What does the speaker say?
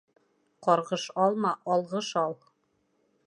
Ҡарғыш алма, алғыш ал.